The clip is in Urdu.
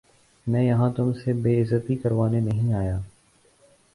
میں یہاں تم سے بے عزتی کروانے نہیں آیا